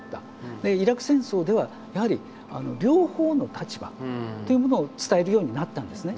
イラク戦争ではやはり両方の立場というものを伝えるようになったんですね。